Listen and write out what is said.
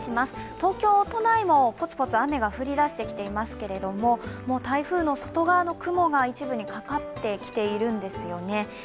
東京都内もポツポツ、雨が降りだしてきていますけども台風の外側の雲が一部にかかってきているんですよね。